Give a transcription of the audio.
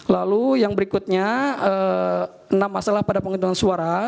lalu yang berikutnya enam masalah pada penghitungan suara